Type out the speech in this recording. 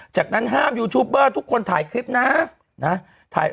จากนั้นห้ามยูทูปเบอร์ทุกคนถ่ายคลิปนะ